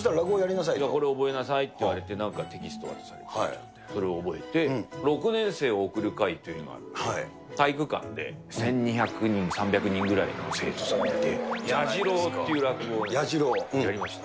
これを覚えなさいってなんかテキスト渡されて、それ覚えて、６年生を送る会というのがあって、体育館で１２００人、３００人ぐらいの生徒さんがいて、弥次郎っていう落語をやりまして。